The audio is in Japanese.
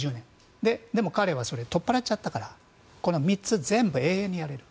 でも彼は取っ払っちゃったから３つ全部、永遠にやれる。